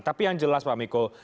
tapi yang jelas pak miko